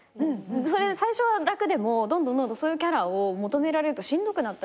最初は楽でもどんどんそういうキャラを求められるとしんどくなったり。